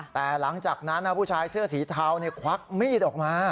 แต่หลังจากนั้นผู้ชายเสื้อสีเทาควักมีดออกมา